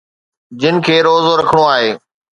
جن کي روزو رکڻو آهي.